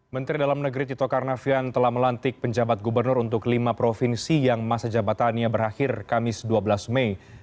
menteri dalam negeri tito karnavian telah melantik penjabat gubernur untuk lima provinsi yang masa jabatannya berakhir kamis dua belas mei